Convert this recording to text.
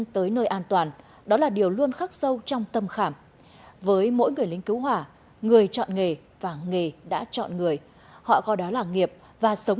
tôi huấn luyện tập luyện rất là nhiều